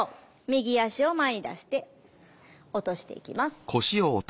右足を前に出して落としていきます。